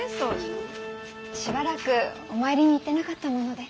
しばらくお参りに行ってなかったもので。